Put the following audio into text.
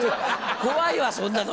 怖いわそんなの！